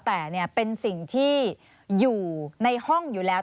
แต่เป็นสิ่งที่อยู่ในห้องอยู่แล้ว